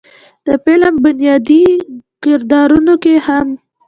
د فلم بنيادي کردارونو کښې هم